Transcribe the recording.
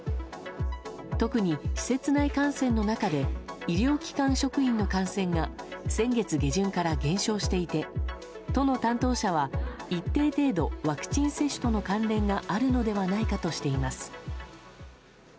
特に施設内感染の中で医療機関職員の感染が先月下旬から減少していて都の担当者は一定程度ワクチン接種との関連があるのではないかとしています。